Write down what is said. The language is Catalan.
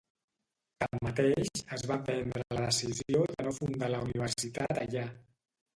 Tanmateix, es va prendre la decisió de no fundar la universitat allà.